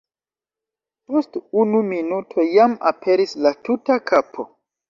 Post unu minuto jam aperis la tuta kapo.